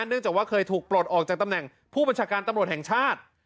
เนื่องจากว่าเคยถูกปลดออกจากตำแหน่งผู้บัญชาการตำรวจแห่งชาติ